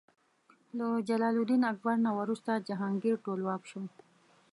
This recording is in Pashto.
له جلال الدین اکبر نه وروسته جهانګیر ټولواک شو.